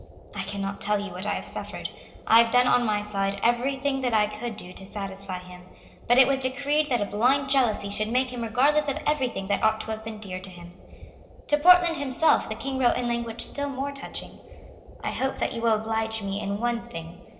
"I cannot tell you what I have suffered. I have done on my side every thing that I could do to satisfy him; but it was decreed that a blind jealousy should make him regardless of every thing that ought to have been dear to him." To Portland himself the King wrote in language still more touching. "I hope that you will oblige me in one thing.